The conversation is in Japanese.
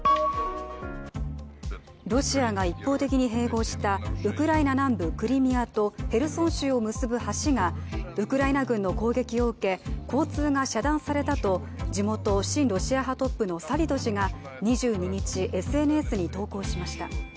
ロシアが一方的に併合した、ウクライナ南部クリミアと、ヘルソン州を結ぶ橋が、ウクライナ軍の攻撃を受け、交通が遮断されたと地元親ロシア派トップのサリド氏が、２２日、ＳＮＳに投稿しました。